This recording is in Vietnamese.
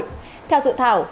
theo dự thảo